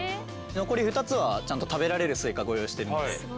残り２つはちゃんと食べられるスイカご用意してるので。